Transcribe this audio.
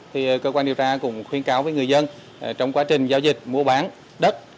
thì cơ quan điều tra cũng khuyên cáo với người dân trong quá trình giao dịch mua bán đất